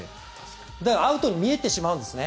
アウトに見えてしまうんですね。